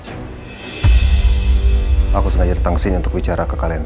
kalau aku ingin melakukan